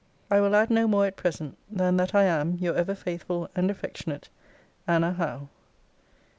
I will add no more at present, than that I am Your ever faithful and affectionate ANNA HOWE.